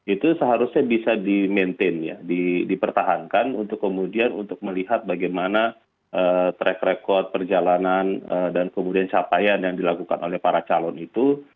itu seharusnya bisa di maintain ya dipertahankan untuk kemudian untuk melihat bagaimana track record perjalanan dan kemudian capaian yang dilakukan oleh para calon itu